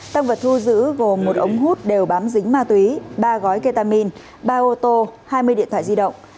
tăng vật thu giữ gồm một ống hút đều bám dính ma túy ba gói ketamine ba ô tô hai mươi điện thoại di động